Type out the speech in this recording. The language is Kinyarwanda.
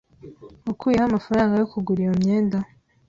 Wakuye he amafaranga yo kugura iyo myenda?